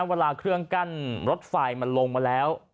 เวลาเครื่องกั้นรถไฟมันลงมาแล้ว